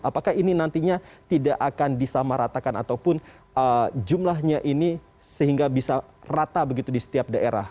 apakah ini nantinya tidak akan disamaratakan ataupun jumlahnya ini sehingga bisa rata begitu di setiap daerah